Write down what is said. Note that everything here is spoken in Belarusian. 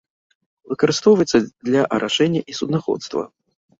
Выкарыстоўваецца для арашэння і суднаходства.